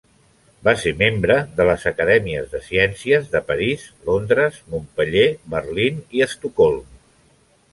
Va ser membre de les Acadèmies de Ciències de París, Londres, Montpeller, Berlín i Estocolm.